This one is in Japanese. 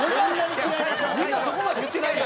みんなそこまで言ってない。